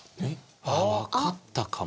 ああわかったかも。